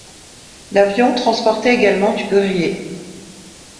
L’avion transportait également de courrier.